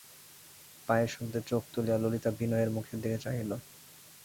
পায়ের শব্দে চোখ তুলিয়া ললিতা বিনয়ের মুখের দিকে চাহিল।